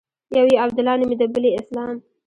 يو يې عبدالله نومېده بل يې اسلام.